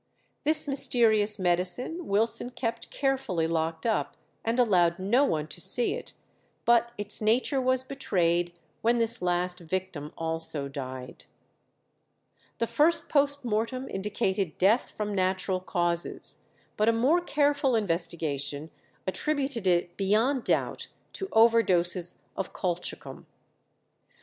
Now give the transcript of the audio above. This mysterious medicine Wilson kept carefully locked up, and allowed no one to see it, but its nature was betrayed when this last victim also died. The first post mortem indicated death from natural causes, but a more careful investigation attributed it beyond doubt to over doses of colchicum. Dr.